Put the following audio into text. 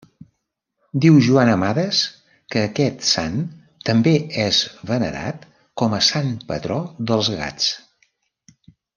Diu Joan Amades que aquest sant també és venerat com a sant patró dels gats.